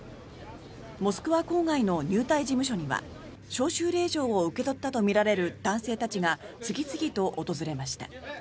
モスクワ郊外の入隊事務所には召集令状を受け取ったとみられる男性たちが次々と訪れました。